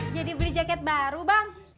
jadi beli jaket baru bang